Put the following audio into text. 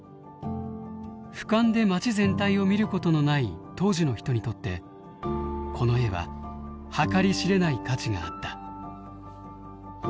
ふかんで町全体を見ることのない当時の人にとってこの絵は計り知れない価値があった。